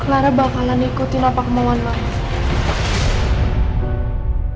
clara bakalan ikutin apa kemauan mama